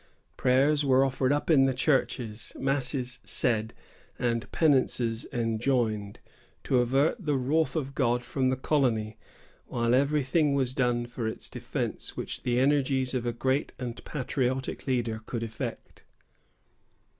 Prayers were offered up in the churches, masses said, and penances enjoined, to avert the wrath of God from the colony, while every thing was done for its defence which the energies of a great and patriotic leader could effect.